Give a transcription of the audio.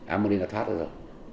ammoni nó thoát ra rồi